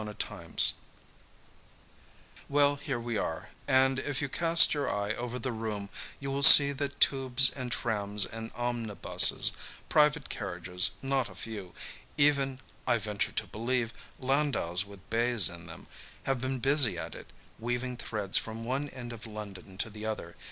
THE STRING QUARTET Well, here we are, and if you cast your eye over the room you will see that Tubes and trams and omnibuses, private carriages not a few, even, I venture to believe, landaus with bays in them, have been busy at it, weaving threads from one end of London to the other.